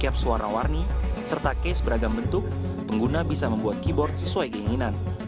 setiap suara warni serta case beragam bentuk pengguna bisa membuat keyboard sesuai keinginan